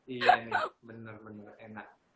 iya ini bener bener enak